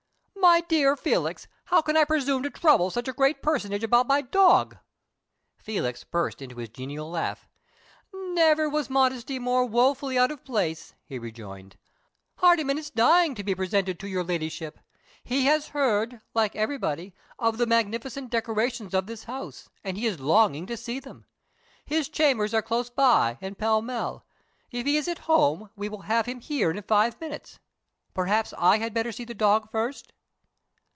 "My dear Felix, how can I presume to trouble such a great personage about my dog?" Felix burst into his genial laugh. "Never was modesty more woefully out of place," he rejoined. "Hardyman is dying to be presented to your Ladyship. He has heard, like everybody, of the magnificent decorations of this house, and he is longing to see them. His chambers are close by, in Pall Mall. If he is at home we will have him here in five minutes. Perhaps I had better see the dog first?"